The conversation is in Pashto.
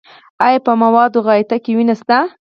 ایا په موادو غایطه کې وینه شته؟